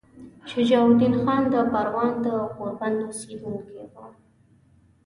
شجاع الدین خان د پروان د غوربند اوسیدونکی وو.